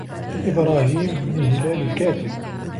لِإِبْرَاهِيمَ بْنِ هِلَالٍ الْكَاتِبِ